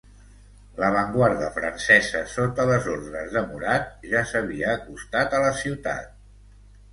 L'avantguarda francesa sota les ordres de Murat ja s'havia acostat a la ciutat.